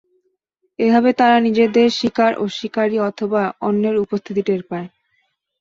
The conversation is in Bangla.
এভাবে তারা নিজেদের শিকার ও শিকারি অথবা অন্যের উপস্থিতি টের পায়।